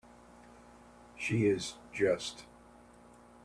She is just.